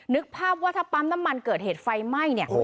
นึกภาพว่าถ้าปั๊มน้ำมันเกิดเหตุไฟไหม้เนี่ย